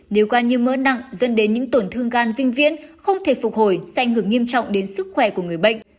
nếu gan như mỡ nặng dẫn đến những tổn thương gan vinh viễn không thể phục hồi xanh hưởng nghiêm trọng đến sức khỏe của người bệnh